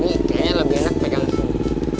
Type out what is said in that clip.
ini kayaknya lebih enak pegang bumbu